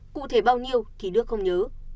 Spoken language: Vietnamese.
cụ thể bao nhiêu thì đức không nhớ